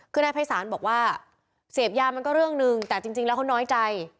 คือนายภัยศาลบอกว่าเสพยามันก็เรื่องหนึ่งแต่จริงแล้วเขาน้อยใจ